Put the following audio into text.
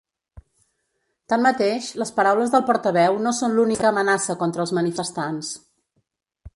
Tanmateix, les paraules del portaveu no són l’única amenaça contra els manifestants.